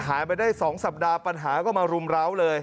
หายไปได้สองสัปดาห์ปัญหาก็มารุ้มเหล้าเลย